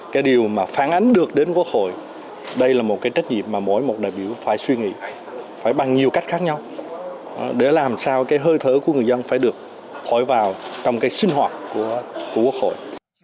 cái điều mà phản ánh được đến quốc hội đây là một cái trách nhiệm mà mỗi một đại biểu phải suy nghĩ phải bằng nhiều cách khác nhau để làm sao cái hơi thở của người dân phải được thổi vào trong cái sinh hoạt của quốc hội